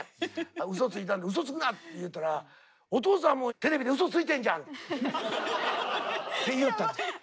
うそついたんで「うそつくな！」って言うたら「お父さんもテレビでうそついてんじゃん！」って言いよったんで。